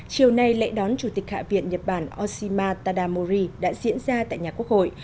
chiều nay lễ đón chủ tịch hạ viện nhật bản oshima tadamori đã diễn ra tại nhà quốc hội